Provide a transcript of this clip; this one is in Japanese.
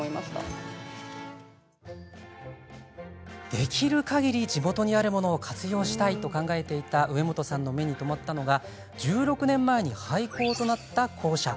できるかぎり地元にあるものを活用したいと考えていた植本さんの目に留まったのが１６年前に廃校となった校舎。